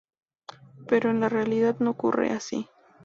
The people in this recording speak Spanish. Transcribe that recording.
Pero en la realidad no ocurre así.